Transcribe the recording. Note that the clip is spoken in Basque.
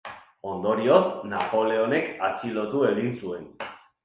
Ondorioz, Napoleonek atxilotu egin zuen.